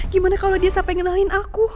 gimana kalau dia sampai ngenalin aku